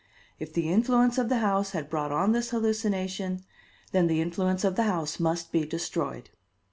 If the influence of the house had brought on this hallucination, then the influence of the house must be destroyed.